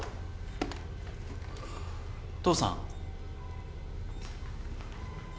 ・父さん。